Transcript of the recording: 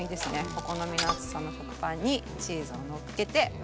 お好みの厚さの食パンにチーズをのっけて。